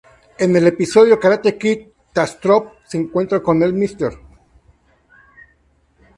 En el episodio "Karate Kid-Tastrophe", se encuentra con el Mr.